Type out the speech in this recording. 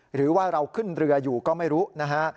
หรือว่าเราขึ้นเรืออยู่ก็ไม่รู้นะฮะ